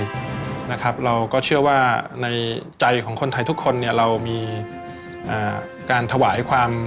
ชุดย่าวที่เราตั้งชื่อให้เนี่ยก็คือชัยานุภาพก็เป็นชื่อของเรานะครับ